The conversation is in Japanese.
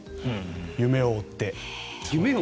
夢を追って。